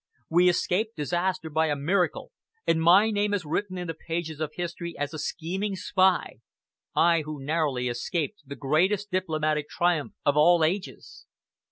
We escaped disaster by a miracle and my name is written in the pages of history as a scheming spy I who narrowly escaped the greatest diplomatic triumph of all ages.